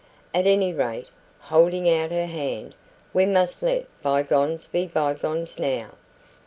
At any rate," holding out her hand, "we must let bygones be bygones now.